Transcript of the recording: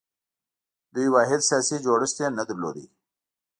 دوی واحد سیاسي جوړښت یې نه درلود